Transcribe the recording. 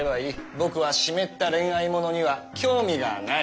僕は湿った恋愛ものには興味がない。